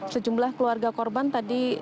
sejumlah keluarga korban tadi